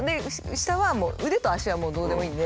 下は腕と足はどうでもいいんで。